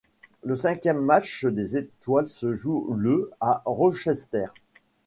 Le cinquième Match des étoiles se joue le à Rochester.